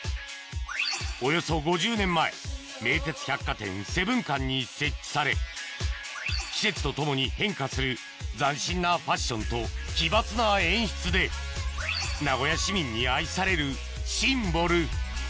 およそ５０年前季節とともに変化する斬新なファッションと奇抜な演出で名古屋市民に愛されるシンボル